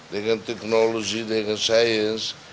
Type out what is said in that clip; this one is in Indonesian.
dengan teknologi dengan sains